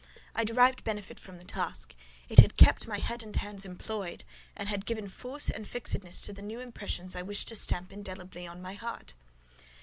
I derived benefit from the task: it had kept my head and hands employed, and had given force and fixedness to the new impressions I wished to stamp indelibly on my heart.